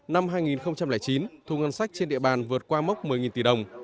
năm hai nghìn chín thu ngân sách trên địa bàn vượt qua mốc một mươi tỷ đồng